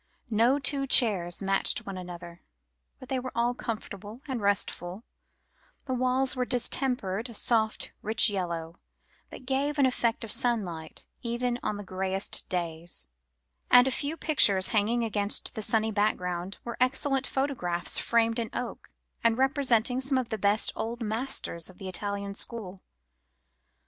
No two chairs matched one another, but they were all comfortable and restful, the walls were distempered a soft rich yellow that gave an effect of sunlight even on the greyest days, and the few pictures hanging against the sunny background, were excellent photographs framed in oak, and representing some of the best Old Masters of the Italian School.